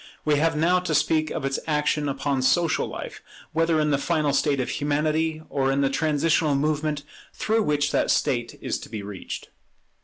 We have now to speak of its action upon social life, whether in the final state of Humanity, or in the transitional movement through which that state is to be reached.